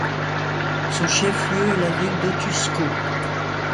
Son chef-lieu est la ville d'Otuzco.